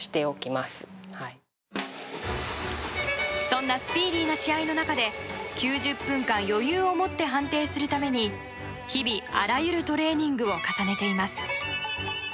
そんなスピーディーな試合の中で９０分間、余裕を持って判定するために日々、あらゆるトレーニングを重ねています。